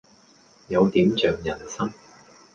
有點像人生